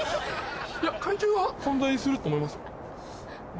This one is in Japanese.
いや怪獣は存在すると思いますよ。